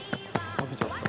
食べちゃった。